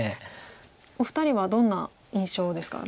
お二人はどんな印象ですか？